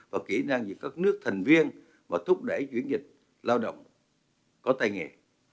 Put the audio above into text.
và kỹ năng giữ các nước thành viên và thúc đẩy chuyển dịch lao động có tài nghề